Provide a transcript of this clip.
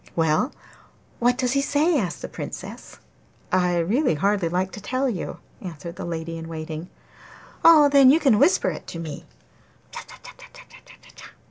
'Well, what does he say?' asked the Princess. 'I really hardly like to tell you,' answered the lady in waiting. 'Oh, then you can whisper it to me.